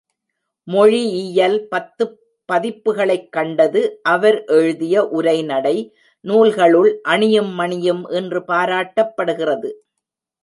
மொழியியல் பத்துப் பதிப்புகளைக் கண்டது அவர் எழுதிய உரைநடை நூல்களுள் அணியும் மணியும் இன்றும் பாராட்டப்படுகிறது.